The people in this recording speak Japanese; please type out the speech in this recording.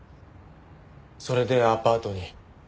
それでアパートに。